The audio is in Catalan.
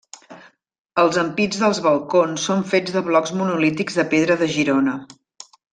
Els ampits dels balcons són fets de blocs monolítics de pedra de Girona.